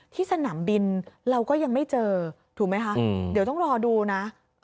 สนามบินเราก็ยังไม่เจอถูกไหมคะเดี๋ยวต้องรอดูนะ